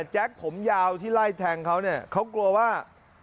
แจ๊คผมยาวที่ไล่แทงเขาเนี่ยเขากลัวว่า